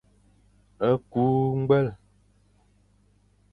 Kü ñgwel.